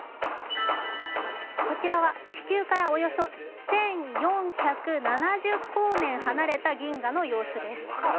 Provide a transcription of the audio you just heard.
こちらは地球からおよそ１４７０光年離れた銀河の様子です。